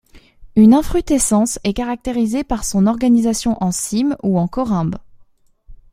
Une infrutescence est caractérisée par son organisation en cyme ou corymbe.